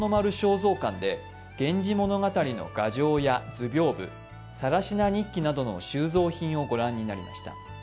蔵館で「源氏物語」の画帖や図屏風、「更級日記」などの収蔵品を御覧になりました。